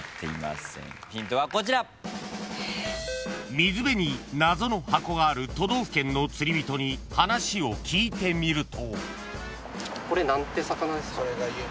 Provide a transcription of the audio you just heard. ［水辺に謎の箱がある都道府県の釣り人に話を聞いてみると］